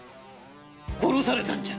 殺されたんじゃ！